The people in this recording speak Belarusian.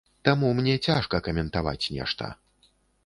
Таму, мне цяжка каментаваць нешта.